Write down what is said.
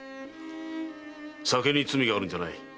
酒に罪があるんじゃない。